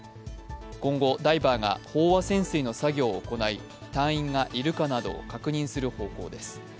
今後、ダイバーが飽和潜水の作業を行い、隊員がいるかなどを確認する方向です。